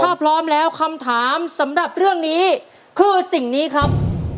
ถ้าพร้อมแล้วคำถามสำหรับเรื่องนี้คือสิ่งนี้ครับ